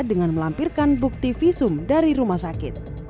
dengan melampirkan bukti visum dari rumah sakit